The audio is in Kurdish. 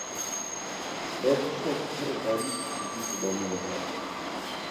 Lê tiştekî pir xerîb di vî zilamî de hebû.